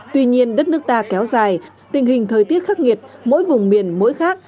tuy nhiên đất nước ta kéo dài tình hình thời tiết khắc nghiệt mỗi vùng miền mỗi khác